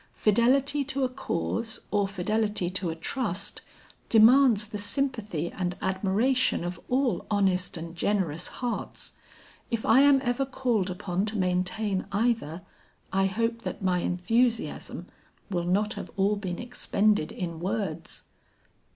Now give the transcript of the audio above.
Fidelity to a cause, or fidelity to a trust, demands the sympathy and admiration of all honest and generous hearts. If I am ever called upon to maintain either, I hope that my enthusiasm will not have all been expended in words."